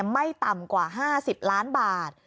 ไม่ต่ำกว่า๕๐ล้านบาท